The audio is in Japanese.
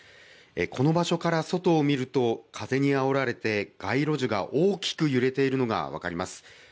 この場所から外を見ると、風にあおられて、街路樹が大きく揺れているのが分かります。